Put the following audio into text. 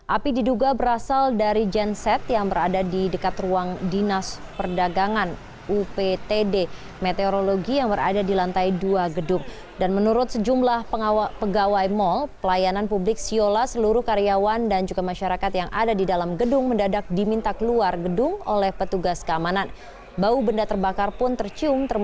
api berhasil dipadamkan dalam waktu tiga puluh menit